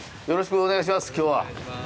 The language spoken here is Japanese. よろしくお願いします。